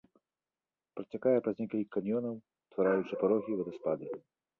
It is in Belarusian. Працякае праз некалькі каньёнаў, утвараючы парогі і вадаспады.